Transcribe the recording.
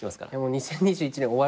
２０２１年終わるんで。